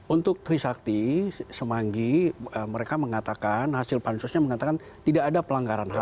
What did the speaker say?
untuk trisakti semanggi mereka mengatakan hasil pansusnya mengatakan tidak ada pelanggaran ham